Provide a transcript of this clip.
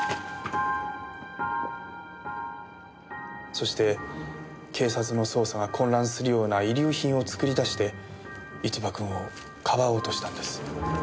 そして警察の捜査が混乱するような遺留品を作り出して一場君をかばおうとしたんです。